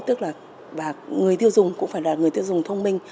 tức là người tiêu dùng cũng phải là người tiêu dùng thông minh